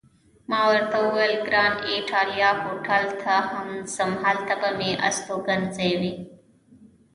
ما ورته وویل: ګران ایټالیا هوټل ته هم ځم، هلته به مې استوګنځی وي.